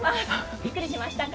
びっくりしましたか？